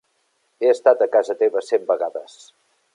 He estat a casa teva cent vegades.